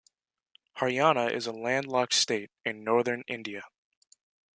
Haryana is a landlocked state in northern India.